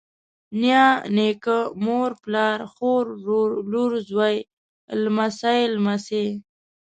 نيا، نيکه، مور، پلار، خور، ورور، لور، زوى، لمسۍ، لمسى